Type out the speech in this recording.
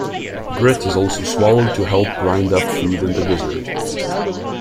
Grit is also swallowed to help grind up food in the gizzard.